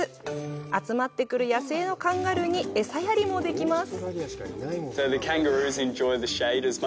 集まってくる野生のカンガルーに餌やりもできます。